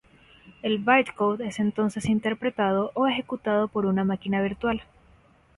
El "bytecode" es entonces interpretado, o ejecutado por una máquina virtual.